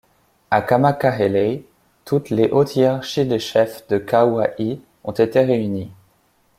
À Kamakahelei, toutes les hautes hiérarchies des chefs de Kaua'i ont été réunies.